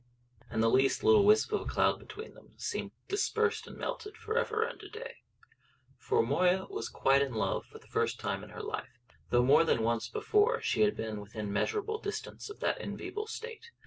And the least little wisp of a cloud between them seemed dispersed and melted for ever and a day. For Moya was quite in love for the first time in her life, though more than once before she had been within measurable distance of that enviable state.